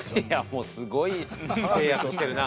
もうすごい制圧してるな。